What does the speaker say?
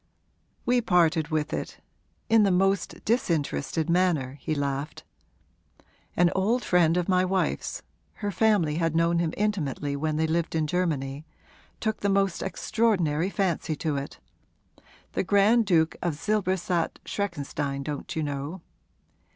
'We parted with it in the most disinterested manner,' he laughed. 'An old friend of my wife's her family had known him intimately when they lived in Germany took the most extraordinary fancy to it: the Grand Duke of Silberstadt Schreckenstein, don't you know?